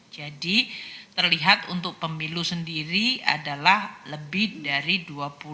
jadi terlihat untuk pemilu sendiri adalah lebih dari dua puluh dua tujuh triliun